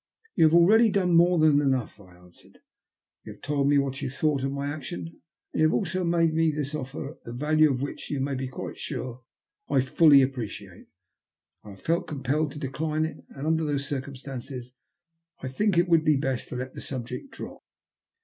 ''Tou have already done more than enough," I answered. "You have told me what you thought of my action, and you have also made me this offer, the value of which, you may be quite sure, I fully appreciate. I have felt compelled to decline it, and under those circumstances I think it would be best to let the subject drop.